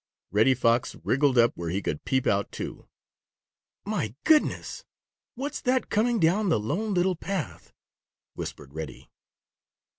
Reddy Fox wriggled up where he could peep out, too. "My goodness! What's that coming down the Lone Little Path?" whispered Reddy.